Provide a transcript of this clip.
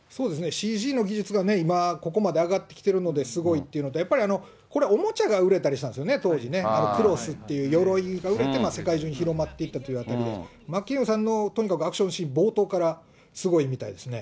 ＣＧの技術が今、ここまで上がってきてるのですごいっていうのと、やっぱりこれはおもちゃが売れたりしたんですよね、当時ね、クロスっていう鎧が売れて、世界中に広まっていったということで、真剣佑さんのとにかくアクションシーン、冒頭からすごいみたいですね。